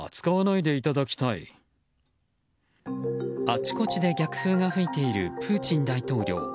あちこちで逆風が吹いているプーチン大統領。